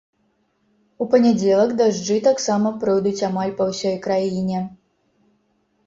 У панядзелак дажджы таксама пройдуць амаль па ўсёй краіне.